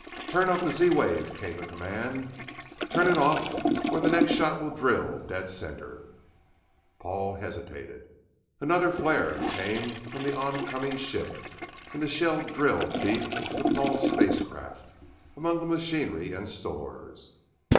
"Turn off the Z wave!" came the command. "Turn it off or the next shot will drill dead center." Paul hesitated. Another flare came from the oncoming ship and the shell drilled deep into Paul's spacecraft, among the machinery and stores.